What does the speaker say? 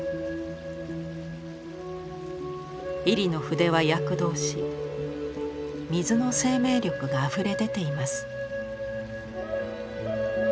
位里の筆は躍動し水の生命力があふれ出ています。